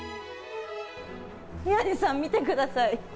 宮根さん、見てください。